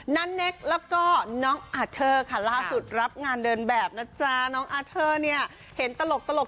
นาเน็กแล้วก็น้องอาเทอร์ค่ะล่าสุดรับงานเดินแบบนะจ๊ะน้องอาเทอร์เนี่ยเห็นตลก